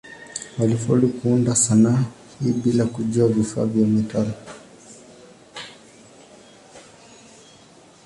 Walifaulu kuunda sanaa hii bila kujua vifaa vya metali.